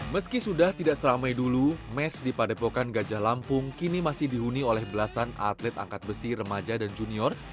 meski sudah tidak seramai dulu mes di padepokan gajah lampung kini masih dihuni oleh belasan atlet angkat besi remaja dan junior